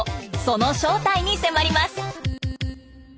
その正体に迫ります。